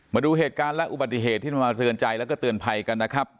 มาดูเหตุการณ์และอุบัติเหตุที่นำมาเตือนใจแล้วก็เตือนภัยกันนะครับ